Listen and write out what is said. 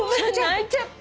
泣いちゃった。